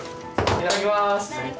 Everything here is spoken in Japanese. いただきます！